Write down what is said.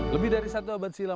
lebih dari satu abad silam